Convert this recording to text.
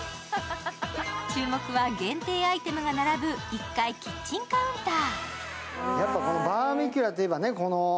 注目は限定アイテムが並ぶ１階キッチンカウンター。